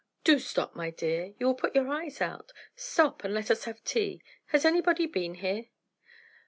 "Do stop, my dear! you will put your eyes out. Stop, and let us have tea. Has anybody been here?"